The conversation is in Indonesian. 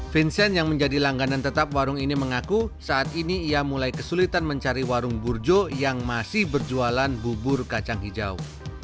vincent yang menjadi langganan tetap warung ini mengaku saat ini ia mulai kesulitan mencari warung burjo yang masih berjualan bubur kacang hijau